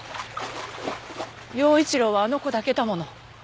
耀一郎はあの子だけだもの。